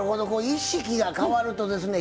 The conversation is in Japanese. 意識が変わるとですね